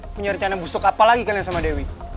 menyiar canang busuk apa lagi kalian sama dewi